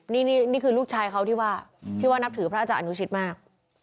นี่นี่คือลูกชายเขาที่ว่าที่ว่านับถือพระอาจารย์อนุชิตมาก